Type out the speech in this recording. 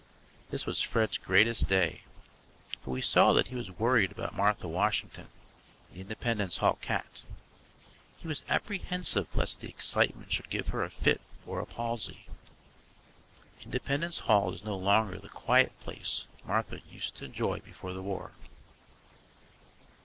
This was Fred's greatest day, but we saw that he was worried about Martha Washington, the Independence Hall cat. He was apprehensive lest the excitement should give her a fit or a palsy. Independence Hall is no longer the quiet old place Martha used to enjoy before the war.